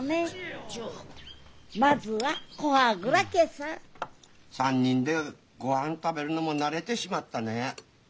まずは古波蔵家さぁ３人でご飯食べるのも慣れてしまったねぇ。